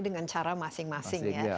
dengan cara masing masing ya